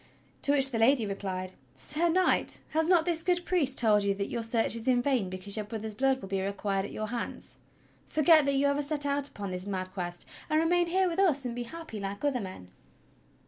To which the lady replied: "Sir Knight, has not this good priest told you that your search* is in vain because your brother's blood will be required at your hands.^ Forget that you ever set out upon this mad Quest, and remain here with us and be happy like other men."